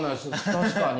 確かに。